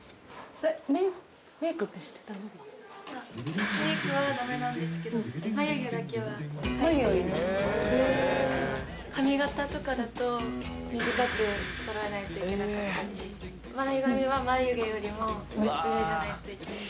あっメイクはダメなんですけど眉毛だけは描いていいんで眉毛はいいんだへえ髪形とかだと短くそろえないといけなかったり前髪は眉毛よりも上じゃないといけない